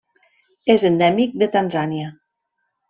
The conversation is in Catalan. És endèmic de Tanzània.